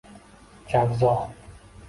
javzo